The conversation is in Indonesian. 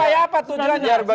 ini upaya apa tujuannya